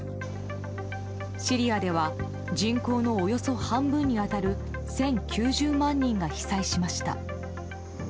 シリアでは人口のおよそ半分に当たる１０９０万人が被災しました。